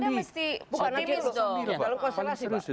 dalam konstelasi pak